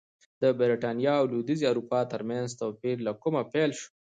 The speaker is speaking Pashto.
د برېټانیا او لوېدیځې اروپا ترمنځ توپیر له کومه پیل شو